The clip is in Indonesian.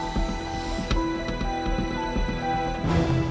aku juga keliatan jalan sama si neng manis